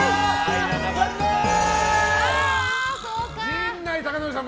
陣内孝則さん！